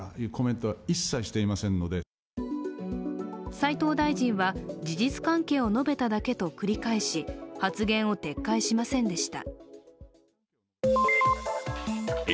齋藤大臣は事実関係を述べただけと繰り返し発言を撤回しませんでした。